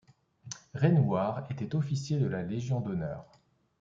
Raynouard était officier de la Légion d'honneur.